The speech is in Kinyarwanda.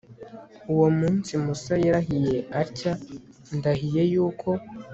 uwo munsi musa yarahiye atya 'ndahiye yuko